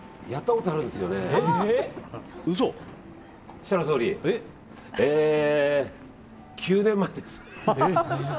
設楽総理、９年前です。